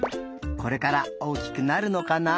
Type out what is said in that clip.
これから大きくなるのかな？